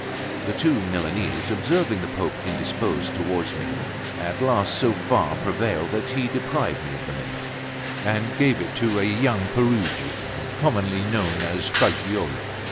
The two Milanese, observing the Pope indisposed towards me, at last so far prevailed that he deprived me of the Mint, and gave it to a young Perugian, commonly known as Fagiuolo.